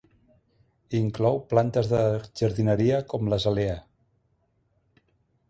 Inclou plantes de jardineria com l'azalea.